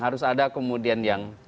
harus ada kemudian yang